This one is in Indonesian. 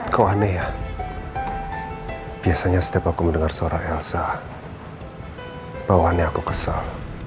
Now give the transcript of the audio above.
kau aneh ya biasanya setiap aku mendengar suara elsa bahwa aneh aku kesel